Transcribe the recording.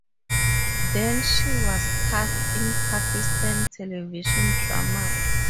Then she was cast in Pakistan television dramas.